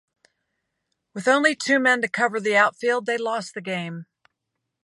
With only two men to cover the outfield, they lost the game.